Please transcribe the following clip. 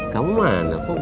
kamu mana kok belum